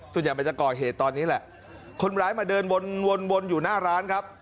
ส่วนใหญ่มันจะก่อเหตุตอนนี้แหละคนร้ายมาเดินวนวนอยู่หน้าร้านครับ